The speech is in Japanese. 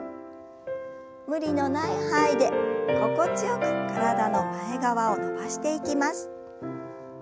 無理のない範囲で心地よく体の前側を伸ばしていきます。